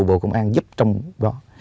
bộ công an giúp trong đó